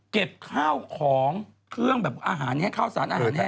เก็บข้าวของเครื่องแบบอาหารแห้งข้าวสารอาหารแห้ง